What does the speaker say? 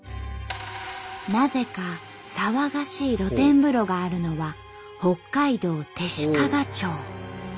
なぜか騒がしい露天風呂があるのは北海道弟子屈町。